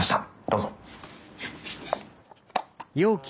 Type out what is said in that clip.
どうぞ。